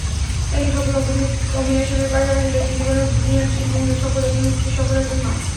একজন সফল অভিনয়শিল্পীর পাশাপাশি ব্যক্তিজীবনেও জুলিয়ান মুর সফল একজন স্ত্রী, একজন সফল মা।